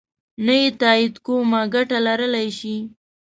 نه یې تایید کومه ګټه لرلای شي.